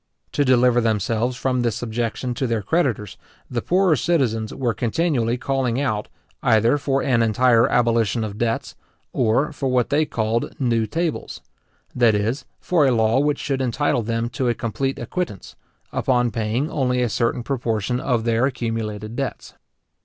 To deliver themselves from this subjection to their creditors, the poorer citizens were continually calling out, either for an entire abolition of debts, or for what they called new tables; that is, for a law which should entitle them to a complete acquittance, upon paying only a certain proportion of their accumulated debts.